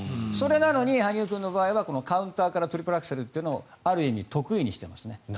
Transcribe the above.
それなのに羽生君の場合はカウンターからトリプルアクセルというのをある意味得意にしていますね。